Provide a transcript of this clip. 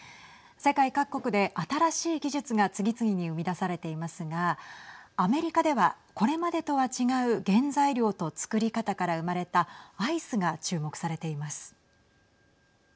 世界各国で新しい技術が次々に生み出されていますがアメリカでは、これまでとは違う原材料と作り方から生まれたアイスが注目されています。